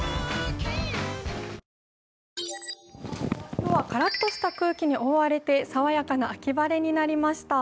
今日はカラッとした空気に覆われてさわやかな秋晴れになりました。